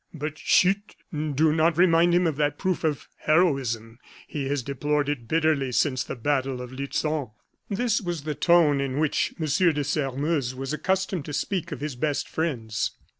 But, chut! do not remind him of that proof of heroism; he has deplored it bitterly since the battle of Lutzen." This was the tone in which M. de Sairmeuse was accustomed to speak of his best friends.